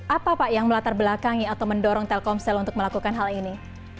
apa pak yang melatar belakangi atau mendorong telkomsel untuk melakukan hal ini